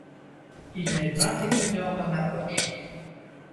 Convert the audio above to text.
Il met vingt écus d’or dans ma poche.